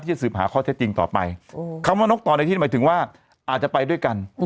สืบหาข้อเท็จจริงต่อไปคำว่านกต่อในที่หมายถึงว่าอาจจะไปด้วยกัน